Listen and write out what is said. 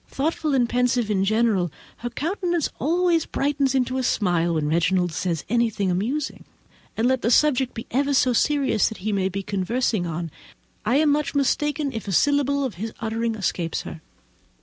Thoughtful and pensive in general, her countenance always brightens into a smile when Reginald says anything amusing; and, let the subject be ever so serious that he may be conversing on, I am much mistaken if a syllable of his uttering escapes her.